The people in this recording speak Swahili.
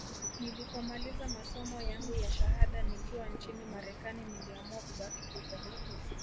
Nilipomaliza masomo yangu ya shahada nikiwa nchini Marekani niliamua kubaki huko